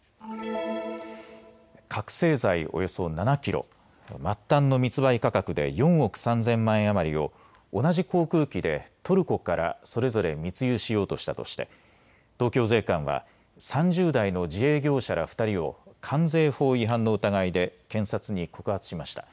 覚醒剤およそ７キロ、末端の密売価格で４億３０００万円余りを同じ航空機でトルコからそれぞれ密輸しようとしたとして東京税関は３０代の自営業者ら２人を関税法違反の疑いで検察に告発しました。